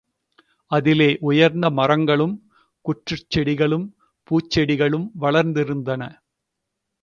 அதிலே உயர்ந்த மரங்களும் குற்றுச் செடிகளும் பூச்செடிகளும் வளர்ந்திருந்தன.